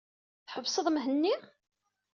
Tḥebseḍ Mhenni?